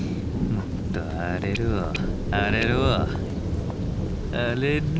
もっと荒れろ荒れろ荒れろ！